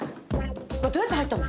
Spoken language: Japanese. これどうやって入ったの？